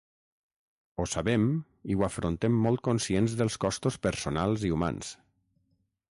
Ho sabem i ho afrontem molt conscients dels costos personals i humans.